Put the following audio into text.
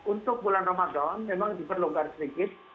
untuk bulan ramadan memang diperlukan sedikit